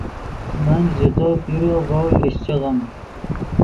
من ژے تو پیرو ڤؤ لیشچیغیم